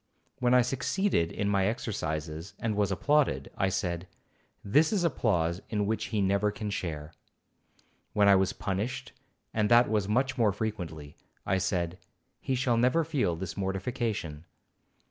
When I succeeded in my exercises, and was applauded, I said, 'This is applause in which he never can share.' When I was punished, and that was much more frequently, I said, 'He shall never feel this mortification.'